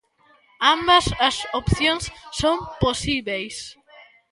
Ambas as opcións son posíbeis.